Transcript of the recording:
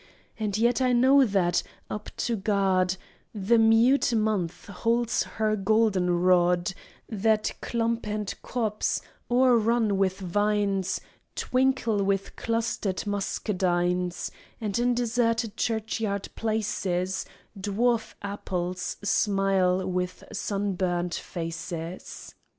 And yet I know that, up to God, The mute month holds her goldenrod, That clump and copse, o'errun with vines, Twinkle with clustered muscadines, And in deserted churchyard places Dwarf apples smile with sunburnt faces.